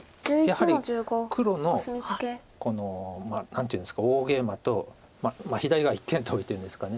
やはり黒のこの何ていうんですか大ゲイマと左側一間トビというんですか。